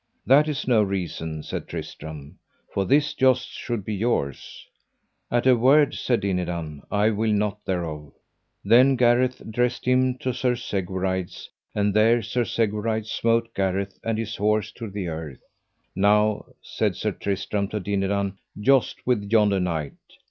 That is no reason, said Tristram, for this jousts should be yours. At a word, said Dinadan, I will not thereof. Then Gareth dressed him to Sir Segwarides, and there Sir Segwarides smote Gareth and his horse to the earth. Now, said Sir Tristram to Dinadan, joust with yonder knight.